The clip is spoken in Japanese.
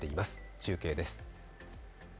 中継です。